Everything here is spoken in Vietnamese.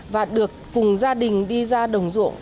và được cùng gia đình đi ra đồng ruộng